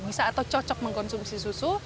bisa atau cocok mengkonsumsi susu